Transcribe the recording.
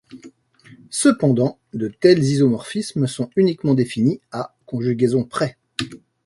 Cependant, de tels isomorphismes sont uniquement définis à conjugaison près.